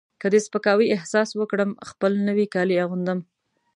که د سپکاوي احساس وکړم خپل نوي کالي اغوندم.